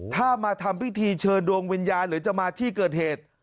ถ้ามาทำพิธีเชิญดวงวิญญาณหรือจะมาที่เกิดเหตุ